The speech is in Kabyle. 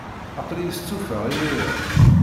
Aql-iyi stufaɣ imir-a.